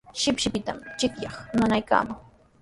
Shipshipitanami chiqllaaqa nanaykaaman.